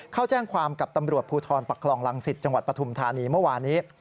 เข้าแจ้งความกับตำรวจภูทรปักคลองรังสิตจังหวัดปฐุมธานีเมื่อวานี้